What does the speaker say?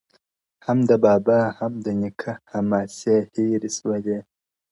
هم د بابا، هم د نیکه، حماسې هېري سولې!!